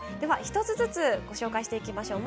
１つずつご紹介していきましょう。